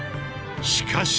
しかし！